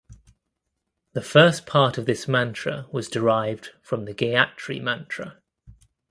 The first part of this mantra was derived from the Gayatri Mantra.